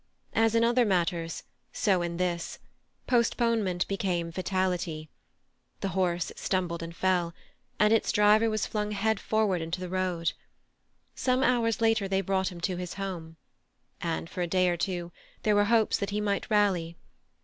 As in other matters, so in this, postponement became fatality; the horse stumbled and fell, and its driver was flung head forward into the road. Some hours later they brought him to his home, and for a day or two there were hopes that he might rally.